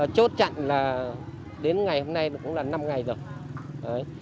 chốt chặn là đến ngày hôm nay cũng là năm ngày rồi